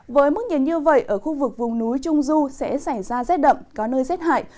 với mức nhiệt như vậy ở khu vực vùng núi trung du sẽ xảy ra rét đậm có nơi rét hại